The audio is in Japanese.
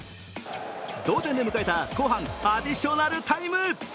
同点で迎えた後半アディショナルタイム。